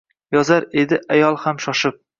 Yozar edi ayol ham shoshib